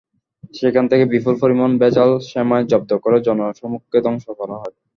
সেখান থেকে বিপুল পরিমাণ ভেজাল সেমাই জব্দ করে জনসমক্ষে ধ্বংস করা হয়।